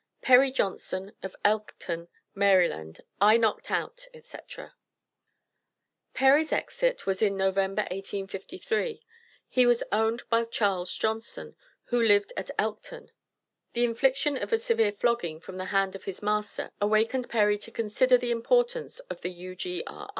PERRY JOHNSON, OF ELKTON, MARYLAND. EYE KNOCKED OUT, ETC. Perry's exit was in November, 1853. He was owned by Charles Johnson, who lived at Elkton. The infliction of a severe "flogging" from the hand of his master awakened Perry to consider the importance of the U.G.R.